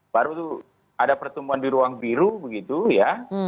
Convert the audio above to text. baru tuh ada pertemuan di ruang biru begitu ya